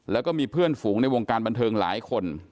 แล้วก็มีเพื่อนฝูงในวงการบันเทิงหลายคน